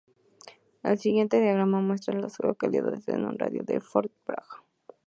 El siguiente diagrama muestra a las localidades en un radio de de Fort Bragg.